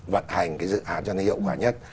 vận hành cái dự án cho nó hiệu quả nhất